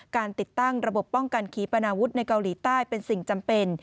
ติดตั้งระบบป้องกันขีปนาวุฒิในเกาหลีใต้เป็นสิ่งจำเป็น